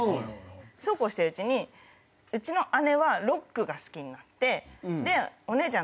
そうこうしてるうちにうちの姉はロックが好きになってでお姉ちゃん